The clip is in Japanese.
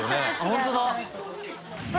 本当だ！